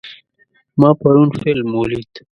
ما پرون فلم ولید.